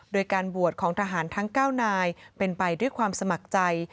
โดยการบวชของทหารทั้ง๙นายเป็นไปด้วยความสมัครใจ